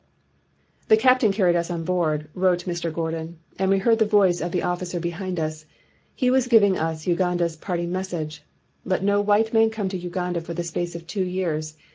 "The captain carried us on board," wrote Mr. Gordon, "and we heard the voice of the officer behind us. He was giving us Uganda's parting message. 'Let no white man come to Uganda for the space of two years.